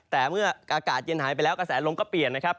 แต่เมื่ออากาศเย็นหายไปแล้วกระแสลมก็เปลี่ยนนะครับ